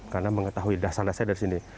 karena mengetahui dasar dasar dari sini